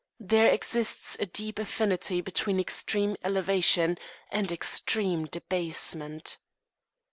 There exists a deep affinity between extreme elevation and extreme debasement.